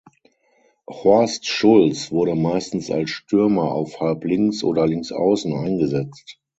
Horst Schultz wurde meistens als Stürmer auf Halblinks oder Linksaußen eingesetzt.